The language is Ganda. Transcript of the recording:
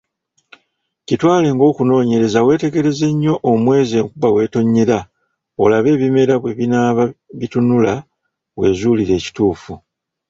Kitwale ng'okunoonyereza weetegereze nnyo omwezi enkuba weetonyera, olabe ebimera bwe binaaba bitunula weezuulire ekituufu.